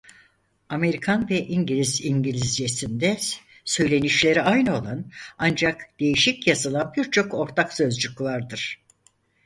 Amerikan ve İngiliz İngilizcesinde söylenişleri aynı olan ancak değişik yazılan birçok ortak sözcük vardır.